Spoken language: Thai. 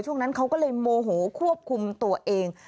ช่วงนั้นเขาก็เลยโมโหควบคุมตัวเอง